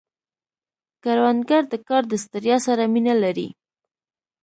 کروندګر د کار د ستړیا سره مینه لري